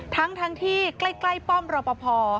ทั้งที่ใกล้ป้อมรอปภ